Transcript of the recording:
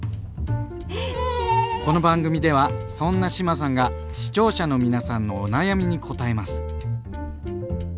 この番組ではそんな志麻さんが視聴者の皆さんのお悩みにこたえます。